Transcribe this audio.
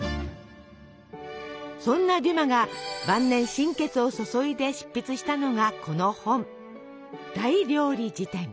そんなデュマが晩年心血を注いで執筆したのがこの本。